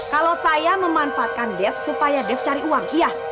kalau saya memanfaatkan dev supaya dave cari uang iya